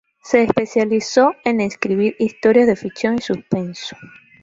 Se especializó en escribir historias de ficción y suspenso.